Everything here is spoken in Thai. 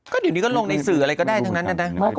ก็เดี๋ยวนี้ก็ลงในสื่ออะไรก็ได้ทั้งนั้นนะ